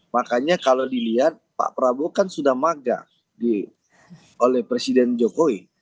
makanya kalau dilihat pak prabowo kan sudah maga oleh presiden jokowi